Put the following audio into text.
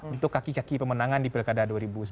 untuk kaki kaki pemenangan di pilkada dua ribu sembilan belas